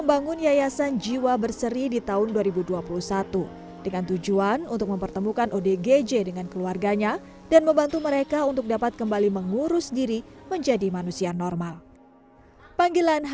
banyak banget tantangan banyak banget rintangan